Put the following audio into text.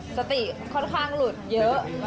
สติค่อนข้างหลุดเยอะ